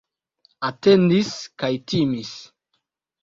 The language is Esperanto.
Atendis kaj timis.